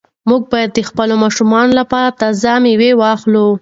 موږ باید د خپلو ماشومانو لپاره تازه مېوې واخلو.